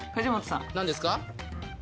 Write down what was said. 何ですか？